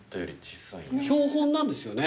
標本なんですよね？